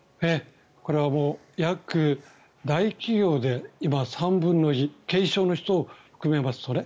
これは大企業で今、３分の２軽症の人を含めますと。